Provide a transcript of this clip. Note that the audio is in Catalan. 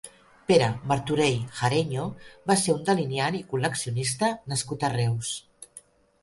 Pere Martorell Jareño va ser un delineant i col·leccionista nascut a Reus.